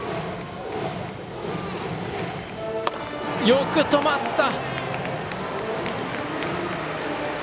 よく止まった！